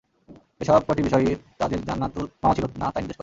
এ সব কটি বিষয়ই তা যে জানাতুল মাওয়া ছিল না তাই নির্দেশ করে।